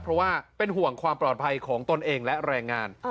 เพราะว่าเป็นห่วงความปลอดภัยของตนเองและแรงงาน